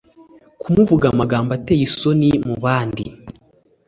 kumuvuga amagambo ateye isoni mu bandi